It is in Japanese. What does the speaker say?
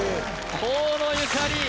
河野ゆかり